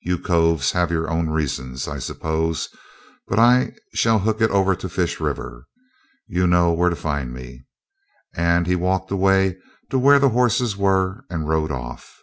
You coves have your own reasons, I suppose, but I shall hook it over to the Fish River. You know where to find me.' And he walked away to where the horses were and rode off.